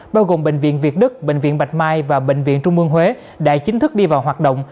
bao gồm bệnh viện việt đức bệnh viện bạch mai và bệnh viện trung mương huế đã chính thức đi vào hoạt động